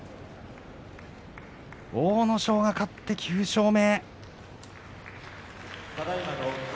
阿武咲が勝って９勝目。